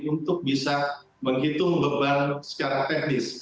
untuk bisa menghitung beban secara teknis